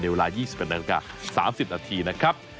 ในเวลา๒๑นาที๓๐นาทีนะครับ